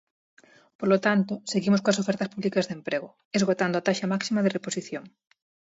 Polo tanto, seguimos coas ofertas públicas de emprego, esgotando a taxa máxima de reposición.